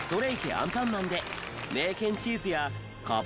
アンパンマン』でめいけんチーズやカバ